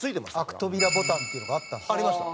アクトビラボタンっていうのがあったんですよ。